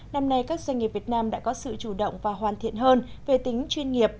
năm nay các doanh nghiệp việt nam đã có sự chủ động và hoàn thiện hơn về tính chuyên nghiệp